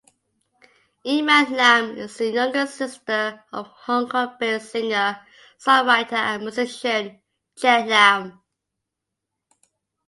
Eman Lam is the younger sister of Hong Kong-based singer-songwriter and musician Chet Lam.